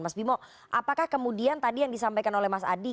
mas bimo apakah kemudian tadi yang disampaikan oleh mas adi